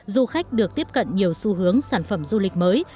du khách được tiếp cận nhiều xu hướng sản phẩm du lịch mới